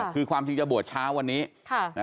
คือความจริงจะบวชเช้าวันนี้